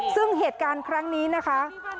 ซึ่งเหตุการณ์ครั้งนี้นะคะ